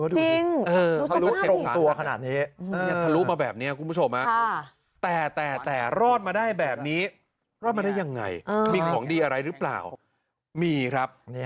ดูสิงหรือรู้สักมาก